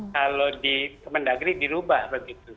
kalau di kemendagri dirubah begitu